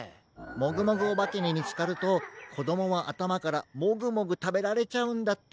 もぐもぐおばけにみつかるとこどもはあたまからもぐもぐたべられちゃうんだって。